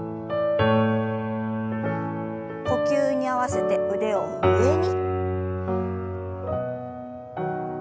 呼吸に合わせて腕を上に。